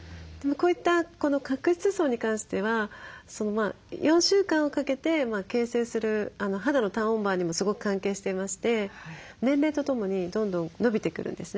こういった角質層に関しては４週間をかけて形成する肌のターンオーバーにもすごく関係していまして年齢とともにどんどん延びてくるんですね。